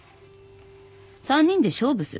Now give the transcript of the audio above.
３人で勝負する？